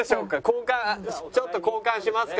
交換ちょっと交換しますか。